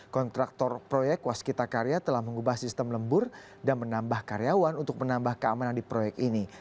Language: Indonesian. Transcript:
kontraktor proyek waskita karya telah mengubah sistem lembur dan menambah karyawan untuk menambah keamanan di proyek ini